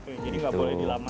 jadi nggak boleh dilamain